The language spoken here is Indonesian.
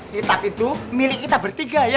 kitab itu milik kita bertiga ya